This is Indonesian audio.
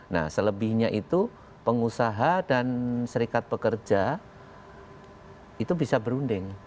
nah selebihnya itu pengusaha dan serikat pekerja itu bisa berunding